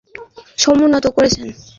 নিশ্চয় আল্লাহ আপনার আলোচনাকে সমুন্নত করেছেন।